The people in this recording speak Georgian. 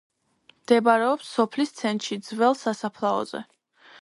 მდებარეობს სოფლის ცენტრში ძველ სასაფლაოზე.